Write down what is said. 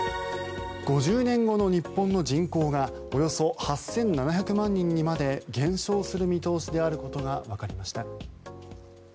５０年後の日本の人口がおよそ８７００万人にまで減少する見通しであることがわかりました。